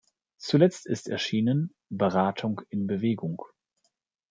Zuletzt ist erschienen: "Beratung in Bewegung.